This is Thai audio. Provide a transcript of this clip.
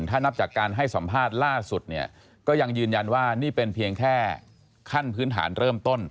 ถ้านับจากการให้สัมภาษณ์ล่าสุดเนี่ยก็ยังยืนยันว่านี่เป็นเพียงแค่ขั้นพื้นฐานเริ่มต้น